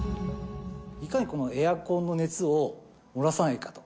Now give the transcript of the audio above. いかにこのエアコンの熱をもらさないかと。